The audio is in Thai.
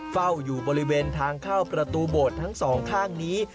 เฝ้าอยู่บริเวณทางเข้าประตูโบสถ์ทั้งสองข้างนี้